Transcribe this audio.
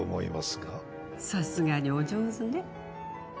さすがにお上手ね。